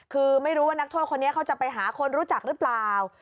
คือไม่รู้ว่านักโทษคนนี้เขาจะไปหาคนรู้จักหรือเปล่า